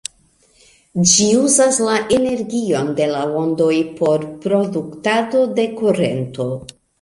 Ĝi uzas la energion de la ondoj por produktado de kurento.